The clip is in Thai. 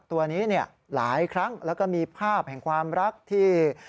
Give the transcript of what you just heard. ตัวนี้เนี่ยหลายครั้งแล้วก็มีภาพแห่งความรักที่